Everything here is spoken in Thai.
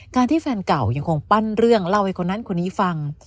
ที่แฟนเก่ายังคงปั้นเรื่องเล่าให้คนนั้นคนนี้ฟัง